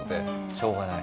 しょうがない？